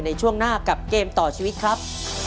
ในช่วงหน้ากับเกมต่อชีวิตครับ